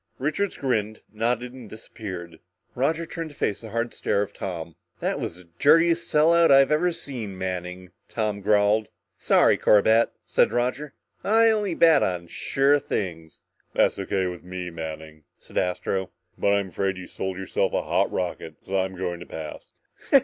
Richards grinned, nodded and disappeared. Roger turned to face the hard stare of Tom. "That was the dirtiest sellout I've ever heard, Manning," Tom growled. "Sorry, Corbett," said Roger. "I only bet on sure things." "That's O.K. with me, Manning," said Astro, "but I'm afraid you sold yourself a hot rocket, because I'm going to pass!"